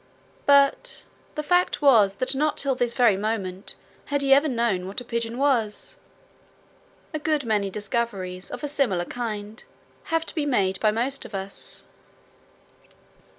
But the fact was that not till this very moment had he ever known what a pigeon was. A good many discoveries of a similar kind have to be made by most of us.